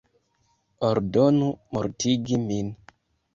Ordonu mortigi min!